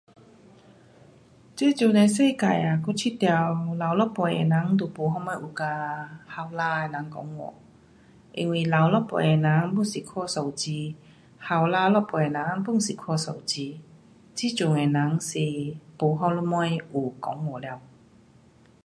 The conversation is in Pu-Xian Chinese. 这阵的世界啊，我觉得老一辈的人都没什么有跟年轻的人讲话。因为老一辈的人 pun 是看手机。年轻一辈的人 pun 是看手机。这阵的人是没什么有讲话了。